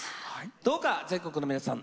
どうか全国の皆さん